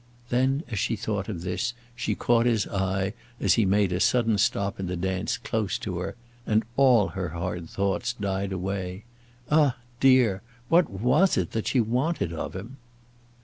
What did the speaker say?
Then, as she thought of this, she caught his eye as he made a sudden stop in the dance close to her, and all her hard thoughts died away. Ah, dear, what was it that she wanted of him?